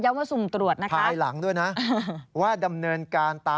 ยอมรับว่าการตรวจสอบเพียงเลขอยไม่สามารถทราบได้ว่าเป็นผลิตภัณฑ์ปลอม